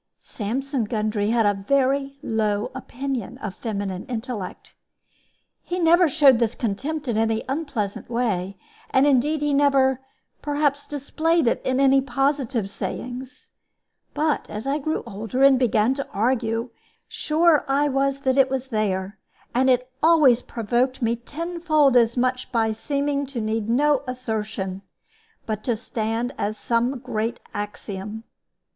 Sampson Gundry had a very low opinion of feminine intellect. He never showed this contempt in any unpleasant way, and indeed he never, perhaps, displayed it in any positive sayings. But as I grew older and began to argue, sure I was that it was there; and it always provoked me tenfold as much by seeming to need no assertion, but to stand as some great axiom.